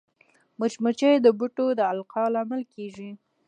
مچمچۍ د بوټو د القاح لامل کېږي